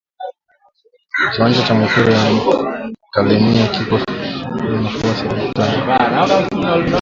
Kiwanja kya mupira kya kalemie kiko na fasi elfu tano